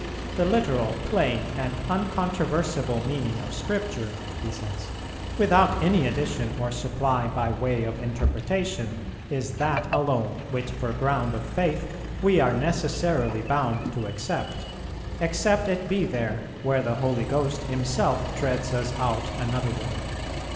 "The literal, plain, and uncontroversible meaning of Scripture," he says, "without any addition or supply by way of interpretation, is that alone which for ground of faith we are necessarily bound to accept; except it be there, where the Holy Ghost Himself treads us out another way.